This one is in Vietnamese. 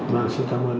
vâng xin cảm ơn